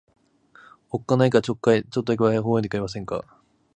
おっかないからちょっとだけ微笑んでくれませんか。